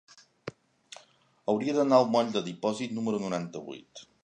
Hauria d'anar al moll del Dipòsit número noranta-vuit.